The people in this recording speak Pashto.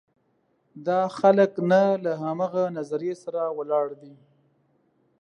دا خلک نه له همغه نظریې سره ولاړ دي.